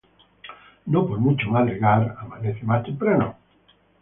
No por mucho madrugar amanece más temprano.